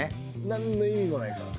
何の意味もないから。